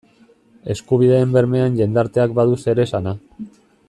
Eskubideen bermean jendarteak badu zeresana.